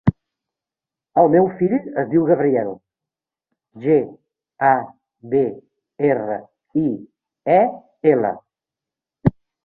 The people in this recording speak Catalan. El meu fill es diu Gabriel: ge, a, be, erra, i, e, ela.